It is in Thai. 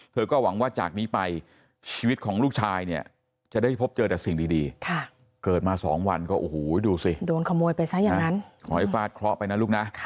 เธอก็หวังว่าจากนี้ไปชีวิตของลูกชายเนี่ยจะได้พบเจอแต่สิ่งดีเกิดมาสองวันก็โอ้โหดูสิโดนขโมยไปซะอย่างนั้น